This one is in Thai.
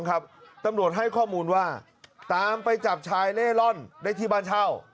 ตำรวจให้ข้อมูลว่าตามไปจับชายเล่ร่อนได้ที่บ้านเช่า